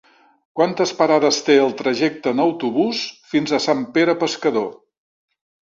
Quantes parades té el trajecte en autobús fins a Sant Pere Pescador?